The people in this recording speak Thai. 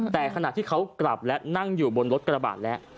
แต่ขณะที่เขากลับและนั่งอยู่บนรถกระบาดแล้ว